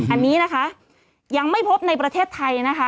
อันนี้นะคะยังไม่พบในประเทศไทยนะคะ